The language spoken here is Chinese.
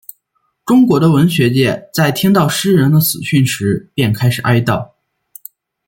中国的文学界在听到诗人的死讯时便开始哀悼。